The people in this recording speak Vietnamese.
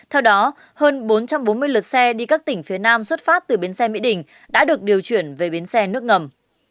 theo đó hơn bốn trăm bốn mươi lượt xe đi các tỉnh phía nam xuất phát từ bến xe mỹ đình đã được điều chuyển về bến xe nước ngầm